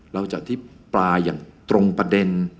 หลังจากที่ปลายอย่างตรงประเด็น